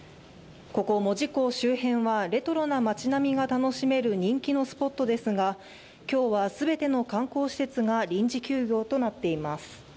ここ、門司港周辺はレトロな街並みが楽しめる人気のスポットですが、今日は全ての観光施設が臨時休業となっています。